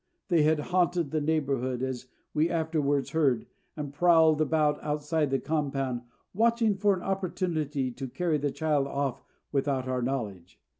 They had haunted the neighbourhood, as we afterwards heard, and prowled about outside the compound, watching for an opportunity to carry the child off without our knowledge.